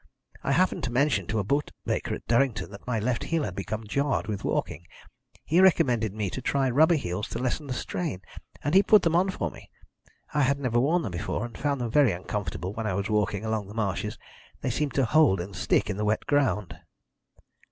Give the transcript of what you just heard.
I happened to mention to a bootmaker at Durrington that my left heel had become jarred with walking. He recommended me to try rubber heels to lessen the strain, and he put them on for me. I had never worn them before, and found them very uncomfortable when I was walking along the marshes. They seemed to hold and stick in the wet ground."